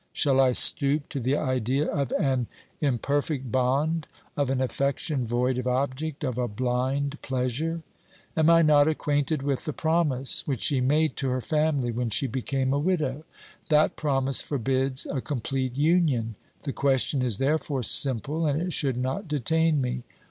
Shall I stoop to the idea of an imperfect bond, of an affection void of object, of a blind pleasure ? Am I not acquainted with the promise which she made to her family when she became a widow ? That promise forbids a complete union ; the question is therefore simple, and it should not detain me.